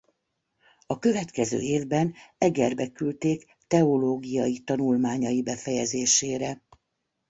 A következő évben Egerbe küldték teológiai tanulmányai befejezésére.